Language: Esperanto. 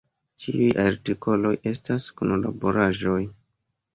Ĉiuj artikoloj estas kunlaboraĵoj.